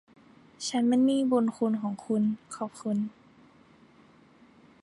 ฉันเป็นหนี้บุณคุณของคุณ ขอบคุณ